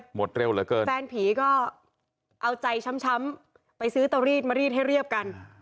หมดเร็วเหลือเกินแฟนผีก็เอาใจช้ำไปซื้อเตารีดมารีดให้เรียบกัน